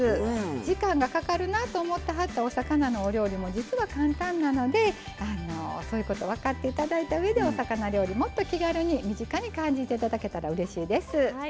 時間がかかるなと思ってはったお魚のお料理も実は簡単なのでそういうことを分かって頂いたうえでお魚料理もっと気軽に身近に感じて頂けたらうれしいです。